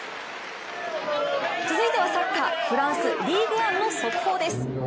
続いてはサッカーフランス・リーグ・アンの速報です。